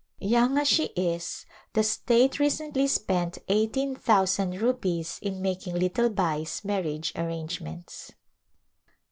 Young as she is the state recently spent eighteen thousand rupees in mak ing little Bai's marriage arrangements.